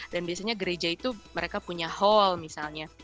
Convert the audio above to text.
dan biasanya gereja itu mereka punya hall misalnya